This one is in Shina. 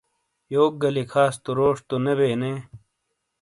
یوک گا لیکھاس تو روش تو نے بے نے؟